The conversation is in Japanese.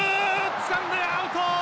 つかんでアウト！